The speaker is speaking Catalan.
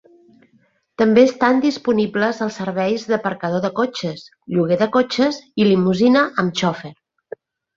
També estan disponibles els serveis d'aparcador de cotxes, lloguer de cotxes i limusina amb xofer.